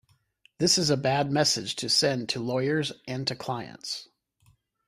This is a bad message to send to lawyers and to clients.